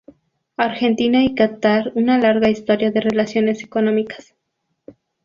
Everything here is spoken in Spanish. Argentina y Catar una larga historia de relaciones económicas.